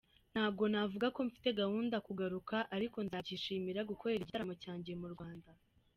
Ntabwo navuga ko mfite gahunda yo kugaruka ariko nzabyishimira gukorera igitaramo cyanjye mu Rwanda.